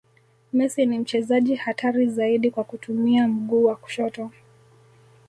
messi ni mchezaji hatari zaidi kwa kutumia mguu wa kushoto